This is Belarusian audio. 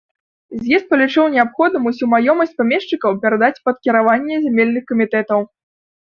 З'езд палічыў неабходным усю маёмасць памешчыкаў перадаць пад кіраванне зямельных камітэтаў.